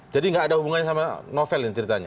jadi nggak ada hubungannya sama novel ini ceritanya